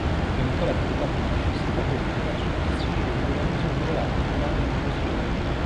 Incrementò l'attività pubblicistica politica su posizioni di liberalismo moderato fondando numerosi giornali.